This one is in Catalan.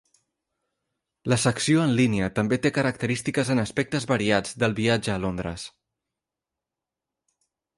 La secció en línia també té característiques en aspectes variats del viatge a Londres.